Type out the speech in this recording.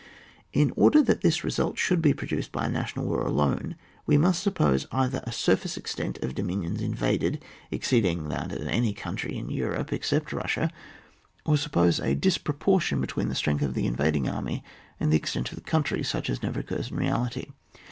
In order that this result should be produced by a national war alone, we must suppose either a surface extent of the dominions invaded, exceeding that of any country in Europe, except Hussia, or stippose a disproportion between the strength of the invading army and the extent of the country, such as never occurs in reality.